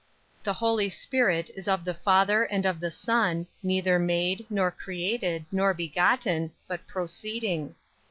23. The Holy Spirit is of the Father and of the Son; neither made, nor created, nor begotten, but proceeding.